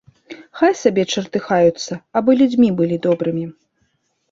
Хай сабе чартыхаюцца, абы людзьмі былі добрымі.